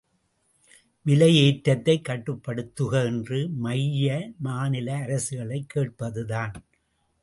விலை ஏற்றத்தைக் கட்டுப்படுத்துக என்று மைய மாநில அரசுகளைக் கேட்பதுதான்!